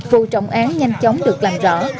phù trọng án nhanh chóng được làm rõ